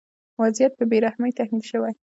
وضعیت په بې رحمۍ تحمیل شوی.